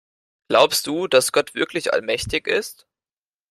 Glaubst du, dass Gott wirklich allmächtig ist?